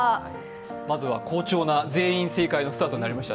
まずは好調な全員正解のスタートとなりました。